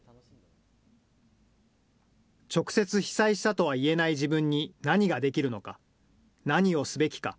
直接被災したとは言えない自分に何ができるのか、何をすべきか。